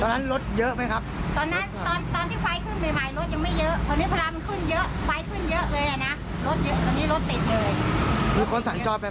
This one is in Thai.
ป้าคาดเหรอป้าคิดว่าตรงนี้มันจะถึง